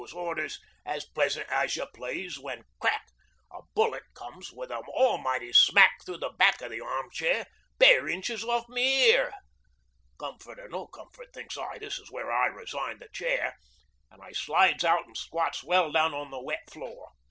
's orders as pleasant as you please when crack! a bullet comes with an almighty smack through the back o' the arm chair, bare inches off my ear. Comfort or no comfort, thinks I, this is where I resign the chair, an' I slides out an' squats well down on the wet floor.